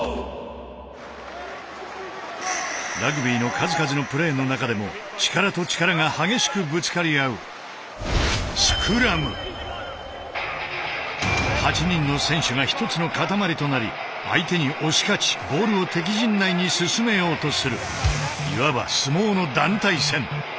ラグビーの数々のプレーの中でも８人の選手が１つの塊となり相手に押し勝ちボールを敵陣内に進めようとするいわば相撲の団体戦。